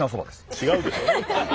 違うでしょ！